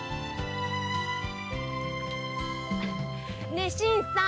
ねえ新さん。